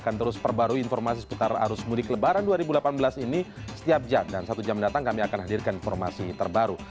seperti arus mudik lebaran dua ribu delapan belas ini setiap jam dan satu jam mendatang kami akan hadirkan informasi terbaru